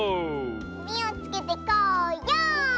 みをつけてこうよう！